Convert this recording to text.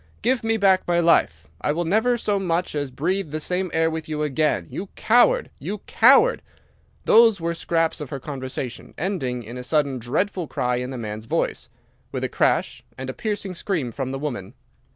Give me back my life. I will never so much as breathe the same air with you again! You coward! You coward!' Those were scraps of her conversation, ending in a sudden dreadful cry in the man's voice, with a crash, and a piercing scream from the woman.